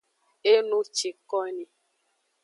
Enucikoni.